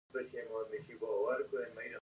سا ګټوره ده.